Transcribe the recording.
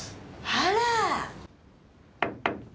あら。